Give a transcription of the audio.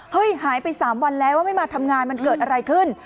หายไป๓วันแล้วว่าไม่มาทำงานมันเกิดอะไรขึ้น